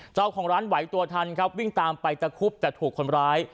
เจ้าของร้านไหวตัวทันครับวิ่งตามไปตะคุบแต่ถูกคนร้าย